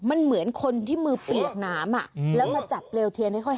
มันเหมือนคนที่มือเปียกน้ำอ่ะแล้วมาจับเลวเทียนให้ค่อย